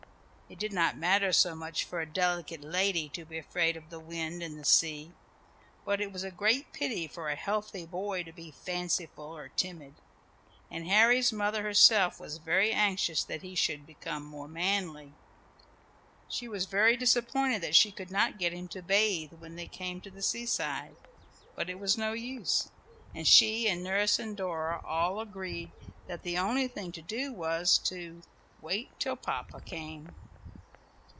It did not matter so much for a delicate lady to be afraid of the wind and the sea, but it was a great pity for a healthy boy to be fanciful or timid; and Harry's mother herself was very anxious that he should become more manly. She was very disappointed that she could not get him to bathe when they came to the seaside, but it was no use, and she and nurse and Dora all agreed that the only thing to do was to "wait till Papa came."